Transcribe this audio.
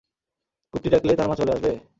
কুট্টি ডাকলে তার মা চলে আসবে?